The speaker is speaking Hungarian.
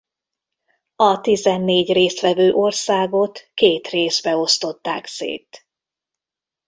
A tizennégy részt vevő országot két részbe osztották szét.